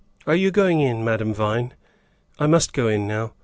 Are you going in Madame Vine?" "I must go in now.